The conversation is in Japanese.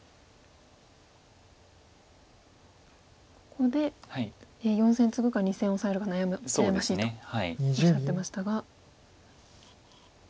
ここで４線ツグか２線オサえるか悩ましいとおっしゃってましたが。